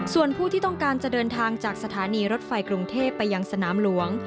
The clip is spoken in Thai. ส่วนผู้ที่ต้องการจะเดินทางจากสถานีรถไฟกรุงเทพไปยังสนามหลวง